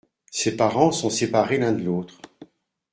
Ses parents sont séparés l’un de l’autre.